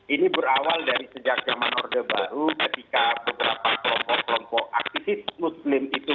ini berawal dari sejak zaman orde baru ketika beberapa kelompok kelompok aktivis muslim itu